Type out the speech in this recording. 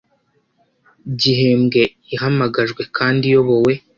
Gihembwe ihamagajwe kandi iyobowe